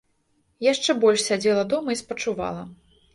Яшчэ больш сядзела дома і спачувала.